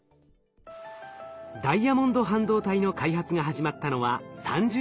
ダイヤモンド半導体の開発が始まったのは３０年ほど前。